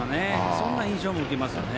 そんな印象も受けますね。